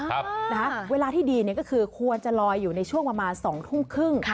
เวลาที่ดีเนี่ยก็คือควรจะลอยอยู่ในช่วงประมาณ๒ทุ่มครึ่ง